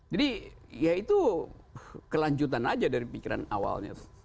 jadi ya itu kelanjutan saja dari pikiran awalnya